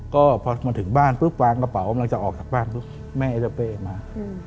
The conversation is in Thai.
ก็พอมาถึงบ้านปุ๊บวางกระเป๋าออกจากบ้านแม่เจ้าเป้มา